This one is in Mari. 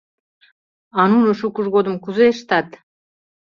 А нуно шукыж годым кузе ыштат?